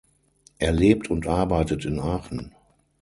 Er lebt und arbeitet in Aachen.